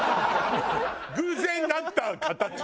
偶然なった形。